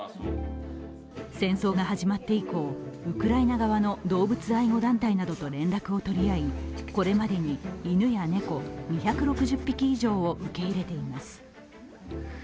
戦争が始まって以降、ウクライナ側の動物愛護団体などと連絡を取り合い、これまでに犬や猫２６０匹以上を受け入れています。